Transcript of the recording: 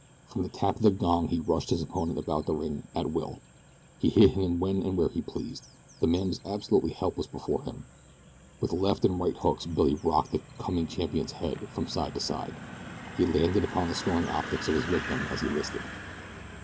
From the tap of the gong he rushed his opponent about the ring at will. He hit him when and where he pleased. The man was absolutely helpless before him. With left and right hooks Billy rocked the "coming champion's" head from side to side. He landed upon the swelling optics of his victim as he listed.